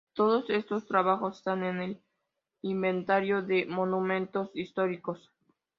Todos estos trabajos están en el inventario de monumentos históricos.